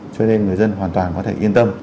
cho nên người dân hoàn toàn có thể yên tâm